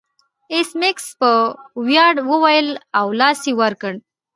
ایس میکس په ویاړ وویل او لاس یې ور کړ